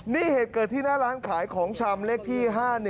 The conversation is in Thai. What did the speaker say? นี่เหตุเกิดที่หน้าร้านขายของชำเลขที่๕๑